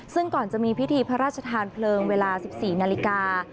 ซึ่งก่อนจะมีพิธีพระราชทานเพลิงเวลา๑๔นาฬิกา